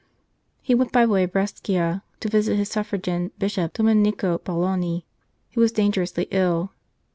He went by way of Brescia to visit his suffragan Bishop, Dominico Bollani, who was dangerously ill.